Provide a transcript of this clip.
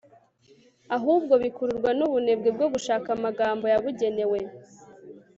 ahubwo bikururwa n'ubunebwe bwo gushaka amagambo yabugenewe